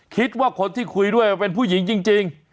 คิดว่าคนที่คุยด้วยเป็นผู้หญิงจริง